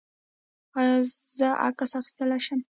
ایا زه عکس اخیستلی شم؟